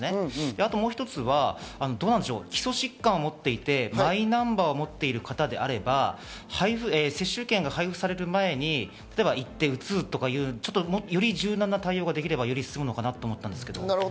あと一つ、基礎疾患を持っていてマイナンバーを持っている方であれば接種券が配布される前に行って打つとか、より柔軟な対応ができればいいのかなと思いました。